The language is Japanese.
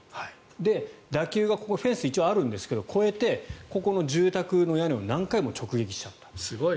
打球がフェンスが一応あるんですが越えて、ここの住宅の屋根を何回も直撃しちゃったと。